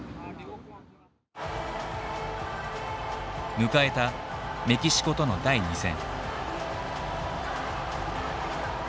迎えたメキシコとの第２戦。